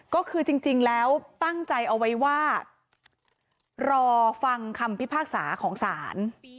ก็คือจริงแล้วตั้งใจเอาไว้ว่ารอฟังคำพิพากษาของศาล